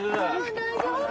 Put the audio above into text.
大丈夫？